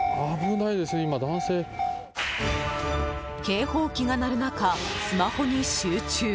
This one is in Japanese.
警報機が鳴る中、スマホに集中。